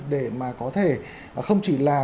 để mà có thể không chỉ là